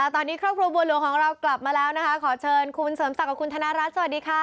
ตอนนี้ครอบครัวบัวหลวงของเรากลับมาแล้วนะคะขอเชิญคุณเสริมศักดิ์กับคุณธนรัฐสวัสดีค่ะ